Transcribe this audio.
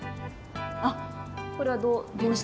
あっこれはどうして？